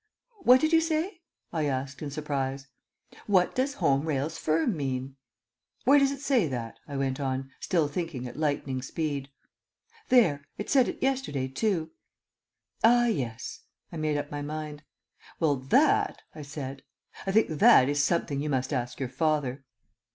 "What did you say?" I asked in surprise. "What does 'Home Rails Firm' mean?" "Where does it say that?" I went on, still thinking at lightning speed. "There. It said it yesterday too." "Ah, yes." I made up my mind. "Well, that," I said "I think that is something you must ask your father."